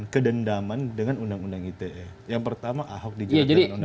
kedendaman dengan undang undang ite yang pertama ahok dijalankan